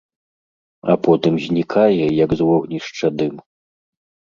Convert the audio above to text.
А потым знікае, як з вогнішча дым.